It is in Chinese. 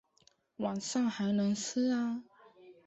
晚上还能吃啊